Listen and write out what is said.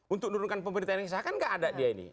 untuk menurunkan pemerintahan yang sah kan nggak ada dia ini